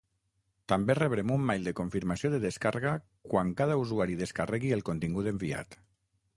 També rebrem un mail de confirmació de descàrrega quan cada usuari descarregui el contingut enviat.